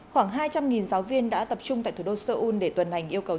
khoảng hai trăm linh giáo viên đã tập trung tại thủ đô seoul để tuần hành yêu cầu